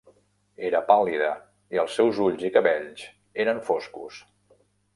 Era pàl·lida, i els seus ulls i cabells eren foscos.